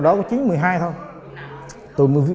tôi mới viết